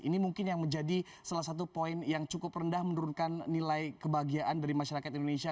ini mungkin yang menjadi salah satu poin yang cukup rendah menurunkan nilai kebahagiaan dari masyarakat indonesia